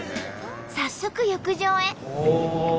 早速浴場へ。